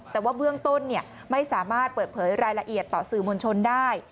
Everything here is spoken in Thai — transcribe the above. แต่ว่าเบื้องต้นไม่สามารถเปิดเผยรายละเอียดต่อสื่อมวลชนได้